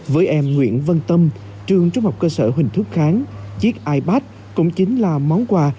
với em nguyễn văn tâm trường trung học cơ sở huỳnh thúc kháng chiếc ipad cũng chính là món quà